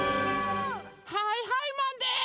はいはいマンです！